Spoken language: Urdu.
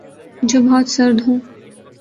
جو بہت سرد ہوں